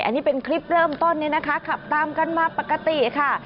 อันนี้เป็นคลิปเริ่มต้นเนี่ยนะคะขับตามกันมาปกติค่ะ